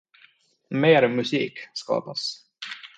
Mer musik skapas.